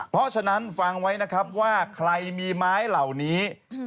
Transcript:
เพราะฉะนั้นฟังไว้นะครับว่าใครมีไม้เหล่านี้